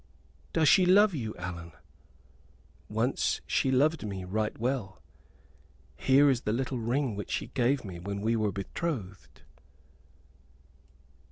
"Does she love you, Allan?" "Once she loved me right well. Here is the little ring which she gave me when we were betrothed."